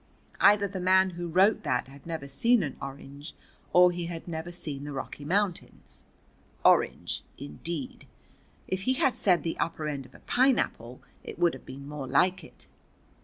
Either the man who wrote that had never seen an orange or he had never seen the Rocky Mountains. Orange, indeed! If he had said the upper end of a pineapple it would have been more like it.